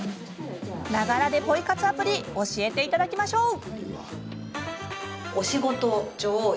ながらでポイ活アプリ教えていただきましょう。